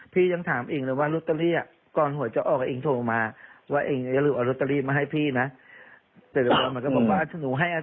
ต้อง๕ใบเราก็เลยบอกว่า